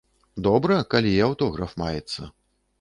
Добра, калі і аўтограф маецца.